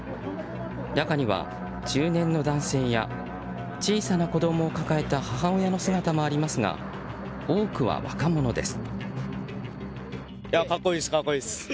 中には中年の男性や小さな子供を抱えた母親の姿もありますが多くは若者です。